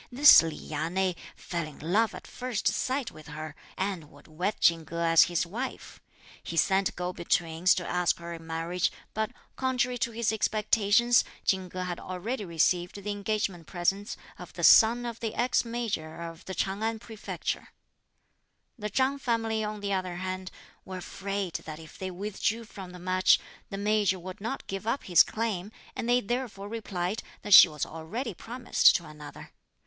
This Li Ya nei fell in love at first sight with her, and would wed Chin Ko as his wife. He sent go betweens to ask her in marriage, but, contrary to his expectations, Chin Ko had already received the engagement presents of the son of the ex Major of the Ch'ang An Prefecture. The Chang family, on the other hand, were afraid that if they withdrew from the match, the Major would not give up his claim, and they therefore replied that she was already promised to another.